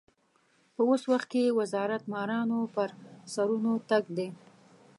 په اوس وخت کې وزارت مارانو پر سرونو تګ دی.